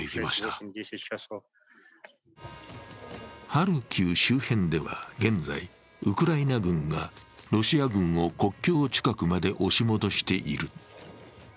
ハルキウ周辺では、現在、ウクライナ軍がロシア軍を国境近くまで押し戻している。